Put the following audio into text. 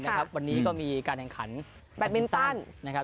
วันนี้ก็มีการแข่งขันแบตมินตันนะครับ